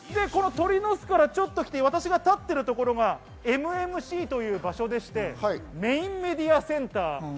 この鳥の巣からちょっと来て、私が立っているところがＭＭＣという場所でして、メインメディアセンター。